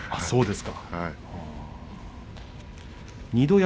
そうですね。